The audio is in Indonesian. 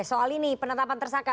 soal ini penetapan tersangka